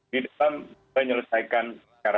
dan juga mencintai kemampuan negara